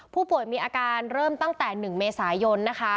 ผู้ป่วยมีอาการเริ่มตั้งแต่๑เมษายนนะคะ